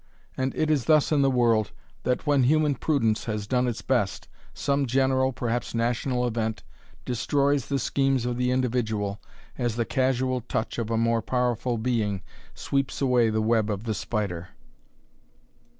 And it is thus in the world, that, when human prudence has done its best, some general, perhaps national, event, destroys the schemes of the individual, as the casual touch of a more powerful being sweeps away the web of the spider.